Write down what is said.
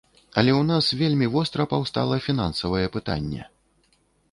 Але ў нас вельмі востра паўстала фінансавае пытанне.